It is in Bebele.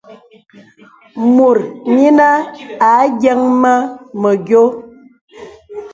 Mùt yīnə à yəŋ mə məyō.